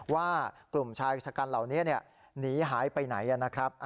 ว่ากลุ่มชายศักดิ์การเหล่านี้เนี่ยหนีหายไปไหนอะนะครับ